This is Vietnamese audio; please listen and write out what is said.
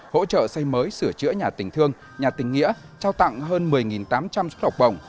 hỗ trợ xây mới sửa chữa nhà tình thương nhà tình nghĩa trao tặng hơn một mươi tám trăm linh xuất lọc bổng